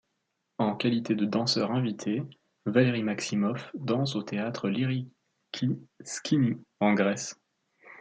En qualité de danseur invité, Valery Maximov danse au Théâtre Lyriki Skini en Grèce.